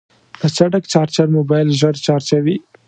د چټک چارجر موبایل ژر چارجوي.